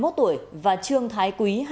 ba mươi một tuổi và trương thái quý